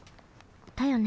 だよね